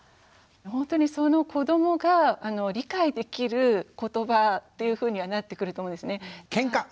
ほんとにその子どもが理解できる言葉っていうふうにはなってくると思うんですね。